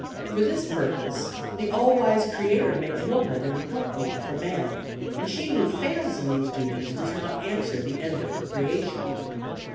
For this purpose, the all wise Creator made woman an help meet for man, and she who fails in these duties does not answer the end of her creation.